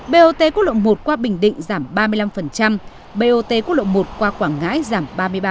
bot quốc lộ một qua bình định giảm ba mươi năm bot quốc lộ một qua quảng ngãi giảm ba mươi ba